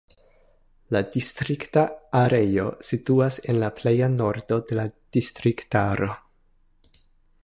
La distrikta areo situas en la pleja nordo de la distriktaro.